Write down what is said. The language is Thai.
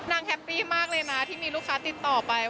แฮปปี้มากเลยนะที่มีลูกค้าติดต่อไป